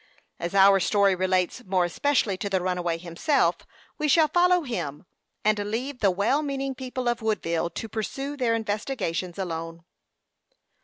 As our story relates more especially to the runaway himself, we shall follow him, and leave the well meaning people of Woodville to pursue their investigations alone.